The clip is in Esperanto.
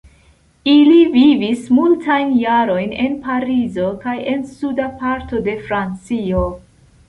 Ili vivis multajn jarojn en Parizo kaj en suda parto de Francio.